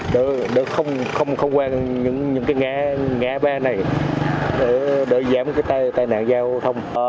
để không quan những cái ngã ba này để giảm cái tai nạn giao thông